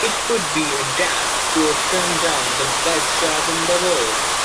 It would be daft to turn down the best job in the world.